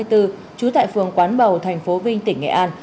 trú tại phường quán bầu thành phố vinh tỉnh nghệ an